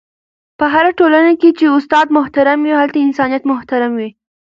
په هره ټولنه کي چي استاد محترم وي، هلته انسانیت محترم وي..